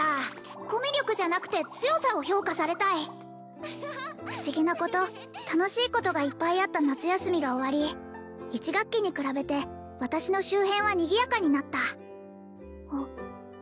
ツッコミ力じゃなくて強さを評価されたい不思議なこと楽しいことがいっぱいあった夏休みが終わり１学期に比べて私の周辺はにぎやかになったあっ